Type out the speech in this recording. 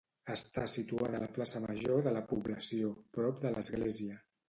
Està situada a la plaça Major de la població, prop de l'església.